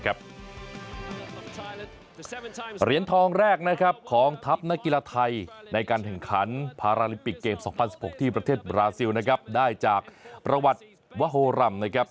เหรียญทองแรกนะครับของทัพนักกีฬาไทยในการแข่งขันพาราลิมปิกเกม๒๐๑๖ที่ประเทศบราซิลนะครับได้จากประวัติวโฮรัมนะครับ